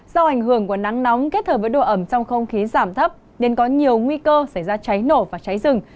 do ảnh hưởng của nắng nóng kết hợp với độ ẩm trong không khí giảm thấp nên có nhiều nguy cơ xảy ra cháy nổ và cháy rừng